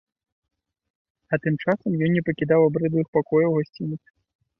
А тым часам ён не пакідаў абрыдлых пакояў гасцініцы.